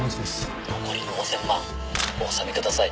残りの ５，０００ 万お納めください